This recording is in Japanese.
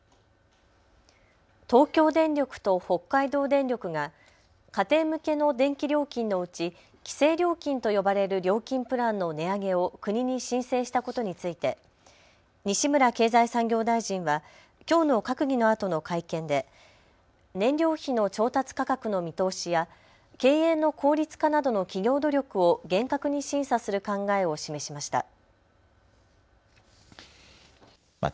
東京電力と北海道電力が家庭向けの電気料金のうち規制料金と呼ばれる料金プランの値上げを国に申請したことについて西村経済産業大臣はきょうの閣議のあとの会見で燃料費の調達価格の見通しや経営の効率化などの企業努力を厳格に審査する考えを示しました。